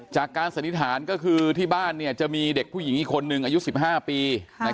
สันนิษฐานก็คือที่บ้านจะมีเด็กผู้หญิงอีกคนนึงอายุ๑๕ปี